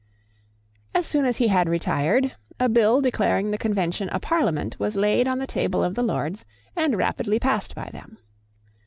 As soon as he had retired, a Bill declaring the Convention a Parliament was laid on the table of the Lords, and rapidly passed by them.